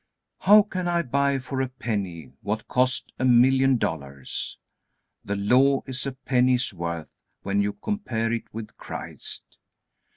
How can I buy for a penny what cost a million dollars? The Law is a penny's worth when you compare it with Christ.